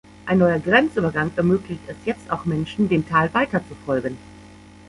Ein neuer Grenzübergang ermöglicht es jetzt auch Menschen, dem Tal weiter zu folgen.